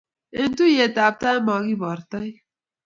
Eng' tuyet ap tai, makibor taek.